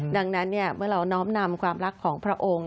ดังนั้นเมื่อเราน้อมนำความรักของพระองค์